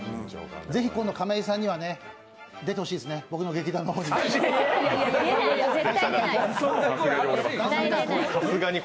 ぜひ今度亀井さんには出てほしいですね、僕の劇団の方に。